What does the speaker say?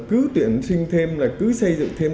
cứ tuyển sinh thêm cứ xây dựng thêm